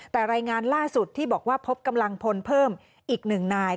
แต่รายงานล่าสุดที่บอกว่าพบกำลังพลเพิ่มอีกหนึ่งนาย